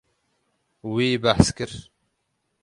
Wî behs kir.